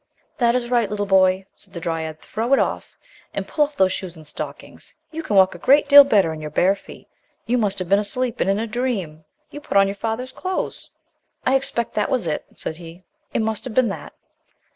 "That is right, little boy," said the dryad, "throw it off, and pull off those shoes and stockings; you can walk a great deal better in your bare feet. You must have been asleep and in a dream you put on your father's clothes." "I expect that was it," said he, "it must have been that."